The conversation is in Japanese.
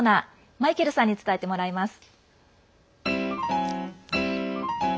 マイケルさんに伝えてもらいます。